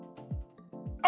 あ！